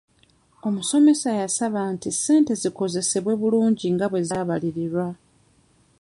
Omusomesa yasaba nti ssente zikozesebwe bulungi nga bwe zaabalirirwa.